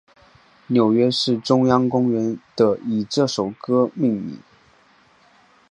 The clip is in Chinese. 纽约市中央公园的以这首歌命名。